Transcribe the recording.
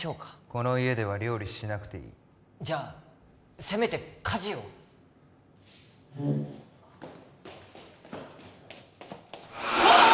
この家では料理しなくていいじゃあせめて家事をわあ！